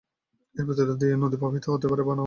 এর ভেতর দিয়ে নদী প্রবাহিত হতে পারে বা না-ও পারে।